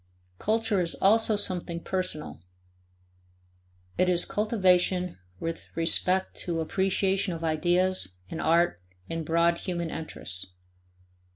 Culture is also something personal; it is cultivation with respect to appreciation of ideas and art and broad human interests.